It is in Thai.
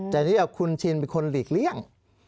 แต่นี่คุณชินเป็นคนหลีกเลี่ยง